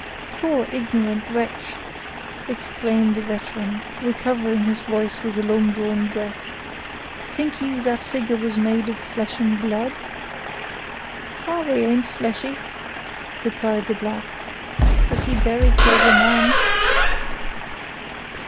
"Poor, ignorant wretch!" exclaimed the veteran, recovering his voice with a long drawn breath; "think you that figure was made of flesh and blood?" "Harvey ain't fleshy," replied the black, "but he berry clebber man."